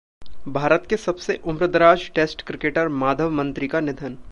भारत के सबसे उम्रदराज टेस्ट क्रिकेटर माधव मंत्री का निधन